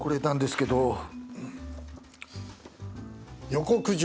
「予告状